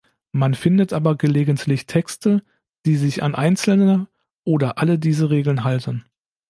Man findet aber gelegentlich Texte, die sich an einzelne oder alle dieser Regeln halten.